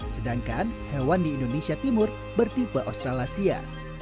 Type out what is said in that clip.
sedangkan hewan di indonesia timur bertipe australasia